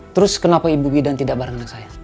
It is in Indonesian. terus kenapa ibu bidan tidak bareng dengan saya